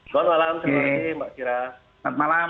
selamat malam selamat malam